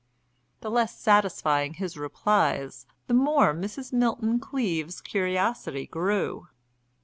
The less satisfying his replies, the more Mrs. Milton Cleave's curiosity grew.